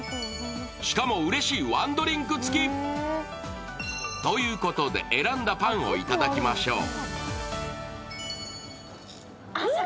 しかも、うれしいワンドリンク付きということで選んだパンを頂きましょう。